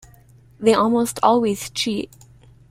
They almost always cheat.